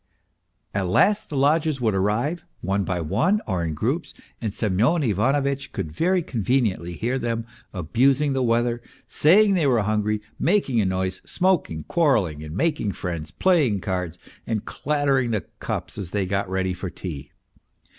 At last the lodgers would arrive, one by one or in groups, and Semyon 270 MR. PROHARTCHIN Ivanovitch could very conveniently hear them abusing the weather, saying they were hungry, making a noise, smoking, quarrelling, and making friends, playing cards, and clattering the cups as they got ready for tea.